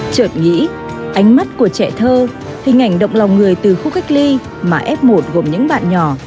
trợt nghĩ ánh mắt của trẻ thơ hình ảnh động lòng người từ khu cách ly mà f một gồm những bạn nhỏ